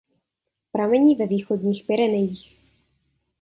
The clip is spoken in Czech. Pramení ve Východních Pyrenejích.